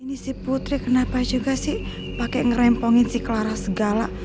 ini si putri kenapa juga sih pakai ngerempongin si clara segala